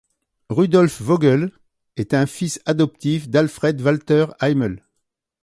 Rudolf Vogel est un fils adoptif d'Alfred Walter Heymel.